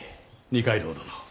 二階堂殿。